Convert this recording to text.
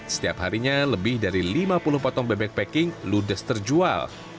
setiap harinya lebih dari lima puluh potong bebek packing ludes terjual